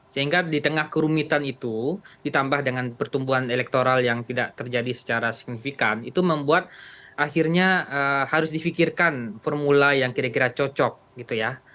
sehingga di tengah kerumitan itu ditambah dengan pertumbuhan elektoral yang tidak terjadi secara signifikan itu membuat akhirnya harus difikirkan formula yang kira kira cocok gitu ya